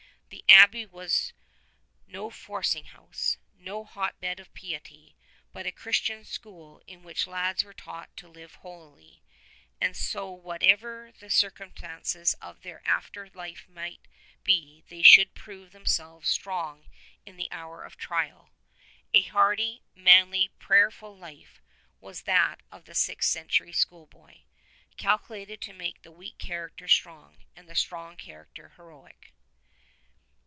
The Abbey was no for cing house, no hot bed of piety, but a Christian school in which lads were taught to live holily, so that whatever the circumstances of their after life might be they should prove themselves strong in the hour of trial. A hardy, manly, prayerful life was that of the sixth century schoolboy, cal culated to make the weak character strong, and the strong character heroic.